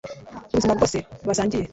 ubuzima bwose basangiye